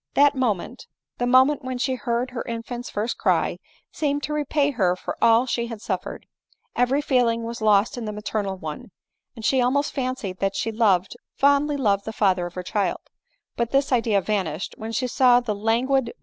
That moment, the moment when she heard her infant's first cry, seemed to repay her for all she had suffered ; every feeling was lost in the maternal one ; and she al most fancied that she loved, fondly loved the father of her child ; but this idea vanished when she saw the languid ADELINE MOWBRAY.